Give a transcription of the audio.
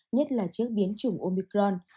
nhất là trước biến chủng omicron